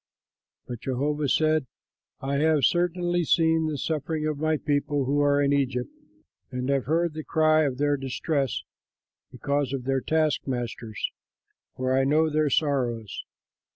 But Jehovah said, "I have certainly seen the suffering of my people who are in Egypt and have heard their cry of distress because of their taskmasters, for I know their sorrows.